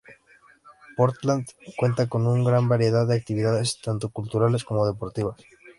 Portland cuenta con una gran variedad de actividades tanto culturales como deportivas.